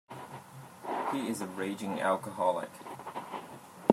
He is a raging alcoholic.